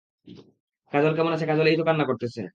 কাজল কেমন আছে কাজল এই তো কান্না করতেছে।